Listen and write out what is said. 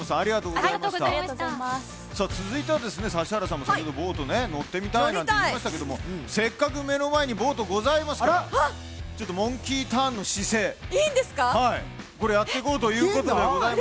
続いては指原さんも先ほどボート乗ってみたいって言ってましたがせっかく目の前にボートございますからモンキーターンの姿勢、やってこうということでございます。